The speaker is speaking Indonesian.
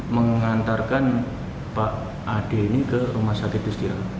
mengantarkan pak ade ini ke rumah sakit dustira